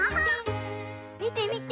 みてみて！